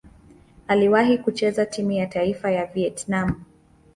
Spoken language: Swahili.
Aliwahi kucheza timu ya taifa ya Vietnam.